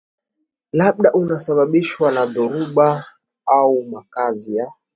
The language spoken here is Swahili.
labda unasababishwa na dhoruba au makazi ya